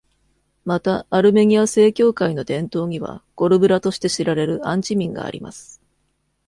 また、アルメニア正教会の伝統には、「ゴルブラ」として知られるアンチミンがあります。